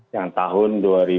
yang tahun dua ribu dua puluh